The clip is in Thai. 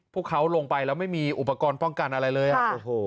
พวกเขาลงไปแล้วไม่มีอุปกรณ์ป้องกันอะไรเลยอ่ะโอ้โห